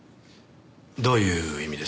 どういう意味です？